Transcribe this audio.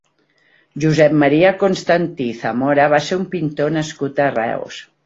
Josep Maria Constantí Zamora va ser un pintor nascut a Reus.